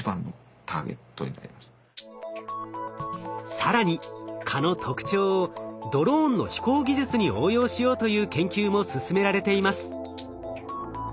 更に蚊の特徴をドローンの飛行技術に応用しようという研究も進められています。